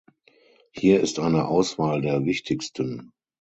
Hier ist eine Auswahl der wichtigsten.